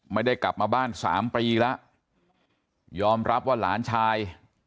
ไม่ได้กลับมาบ้านสามปีแล้วยอมรับว่าหลานชาย